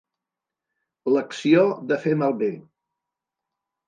L'acció de fer malbé.